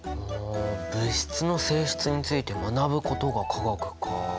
物質の性質について学ぶことが化学か。